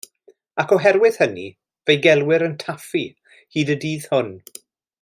Ac oherwydd hynny, fe'i gelwir yn Taffi hyd y dydd hwn.